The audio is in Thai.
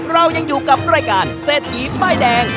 เรายังอยู่กับรายการเศรษฐีป้ายแดง